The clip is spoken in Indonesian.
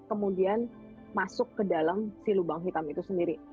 kemudian masuk ke dalam si lubang hitam itu sendiri